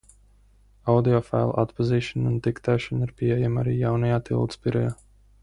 Audiofailu atpazīšana un diktēšana ir pieejama arī jaunajā Tildes Birojā.